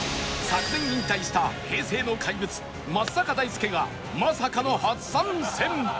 昨年引退した平成の怪物松坂大輔がまさかの初参戦